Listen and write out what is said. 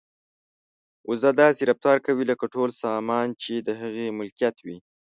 وزه داسې رفتار کوي لکه ټول سامان چې د هغې ملکیت وي.